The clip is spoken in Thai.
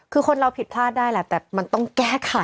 คือคนเราผิดพลาดได้แหละแต่มันต้องแก้ไข